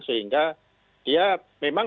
sehingga dia memang